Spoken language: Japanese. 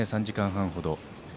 ３時間半ほど。